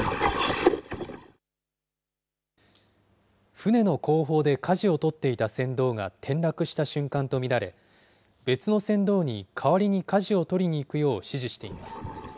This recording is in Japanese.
舟の後方でかじを取っていた船頭が転落した瞬間と見られ、別の船頭に代わりにかじを取りに行くよう指示しています。